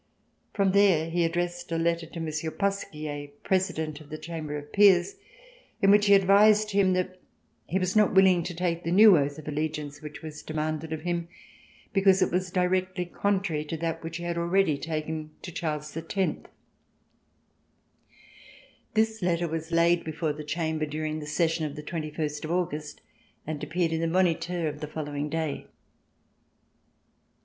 From there he addressed a letter to Monsieur Pasquier, President of the Chamber of Peers, in which he advised him that he was not willing to take the new oath of allegiance which was demanded of him, because it was directly contrary to that which he had already taken to Charles X. This letter was laid before the Chamber during the session of the twenty first of August and appeared in the Moniteur" the following day.